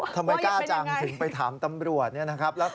ทำไมกล้าจังถึงไปถามตำรวจเนี่ยนะครับ